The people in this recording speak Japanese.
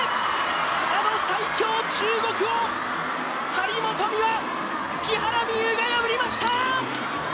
あの最強中国を張本と木原美悠が破りました！